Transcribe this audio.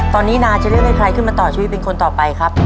ตอนนี้นาจะเลือกให้ใครขึ้นมาต่อชีวิตเป็นคนต่อไปครับ